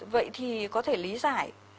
vậy thì có thể lý giải